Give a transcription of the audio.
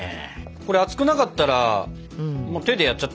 これ熱くなかったら手でやっちゃっていいのかな？